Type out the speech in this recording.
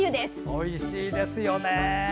おいしいですよね。